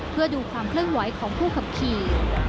เพื่อดูความเคลื่อนไหวของผู้ขับขี่